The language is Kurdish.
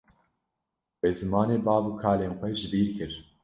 We zimanê bav û kalên xwe jibîr kir